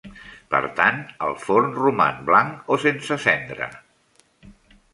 Per tant, el forn roman "blanc" o sense cendra.